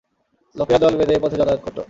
লোকেরা দল বেঁধে এ পথে যাতায়াত করত।